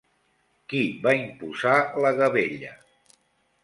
Qui va imposar la gabella?